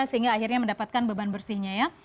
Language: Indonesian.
sehingga akhirnya mendapatkan beban bersihnya ya